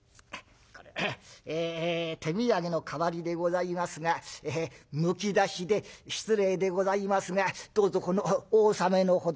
ええ手土産の代わりでございますがむき出しで失礼でございますがどうぞこのお納めのほど」。